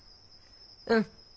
うん。